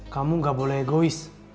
kamu gak boleh egois